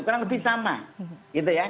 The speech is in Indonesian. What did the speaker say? kurang lebih sama gitu ya